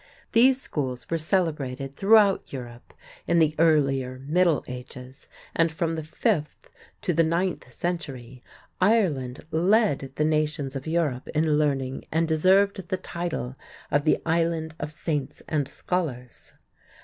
These schools were celebrated throughout Europe in the earlier middle ages, and from the fifth to the ninth century Ireland led the nations of Europe in learning and deserved the title of the "Island of Saints and Scholars."